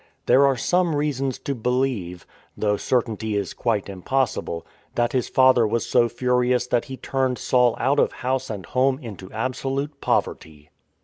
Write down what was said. There are some reasons to believe — though certainty is quite impossible — that his father was so furious that he turned Saul out of house and home into absolute poverty.